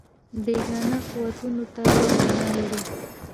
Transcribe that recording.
بېګانه قوتونو ته یې پناه وړې.